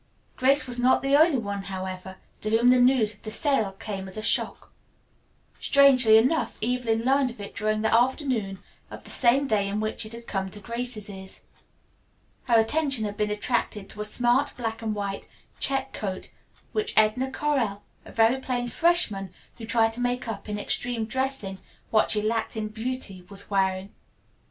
Grace was not the only one, however, to whom the news of the sale came as a shock. Strangely enough Evelyn learned of it during the afternoon of the same day in which it had come to Grace's ears. Her attention had been attracted to a smart black and white check coat which Edna Correll, a very plain freshman who tried to make up in extreme dressing what she lacked in beauty, was wearing.